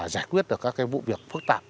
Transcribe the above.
giải quyết được các vụ việc phức tạp